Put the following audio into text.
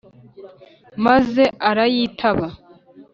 maze arayitaba